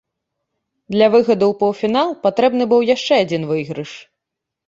Для выхаду ў паўфінал патрэбны быў яшчэ адзін выйгрыш.